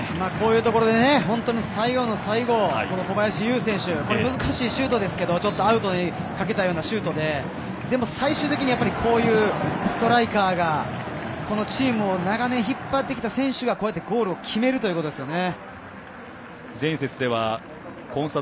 逆転されましたが遠いところで最後の最後小林選手難しいシュートですけれどシュートで最後最終的にこういうストライカーが、チームを長年引っ張ってきた選手がこれでゴールを決めるということですよね。